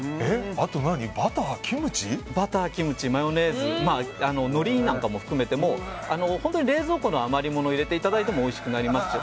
あとバター、キムチ？バター、キムチ、マヨネーズのりなんかも含めても本当に冷蔵庫の余りものを入れていただいてもおいしくなりますし